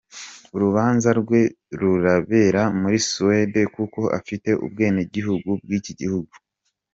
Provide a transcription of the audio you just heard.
Urubanza rwe rurabera muri Suède kuko afite ubwenegihugu bw’iki gihugu.